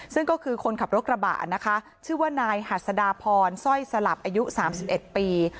ซึ่งก็คือคนขับรถกระบะนะคะชื่อว่านายหัสดาพรสร้อยสลับอายุ๓๑ปี